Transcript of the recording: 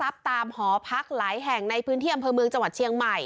รักทรับตามหอพักหลายแห่ง